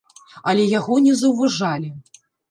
Але яго не заўважалі.